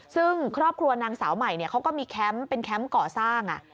ซึ่งครอบครัวนางสาวใหม่เขาก็มีแคมป์เป็นแคมป์ก่อสร้าง